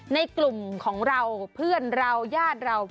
ในกลุ่มเราเพื่อนงาน